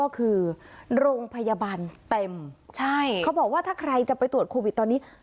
เขาบอกว่าถ้าใครจะไปตรวจโควิดตอนนี้